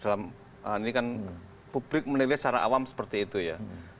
ini kan publik menilai secara awam seperti itu ya